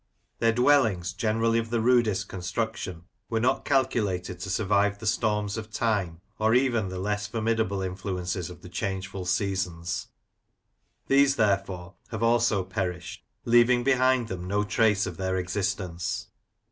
Their dwellings, generally of the rudest construction, were not calculated to survive the storms of time, or even the less formidable influences of the changeful seasons. These, therefore, have also perished, leaving behind them no trace of their existence.